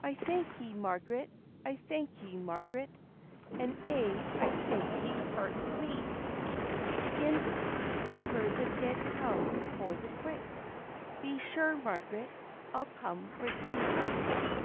"I thank ye, Marg'ret, I thank ye, Marg'ret; And aye I thank ye heartilie; Gin ever the dead come for the quick, Be sure, Mag'ret, I'll come for thee."